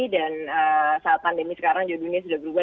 dan saat pandemi sekarang juga dunia sudah berubah